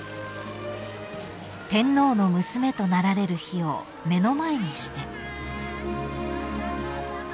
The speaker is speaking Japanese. ［天皇の娘となられる日を目の前にして］